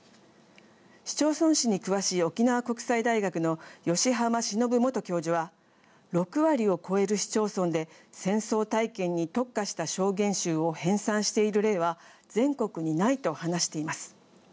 市町村史に詳しい沖縄国際大学の吉浜忍元教授は「６割を超える市町村で戦争体験に特化した証言集を編さんしている例は全国にない」と話しています。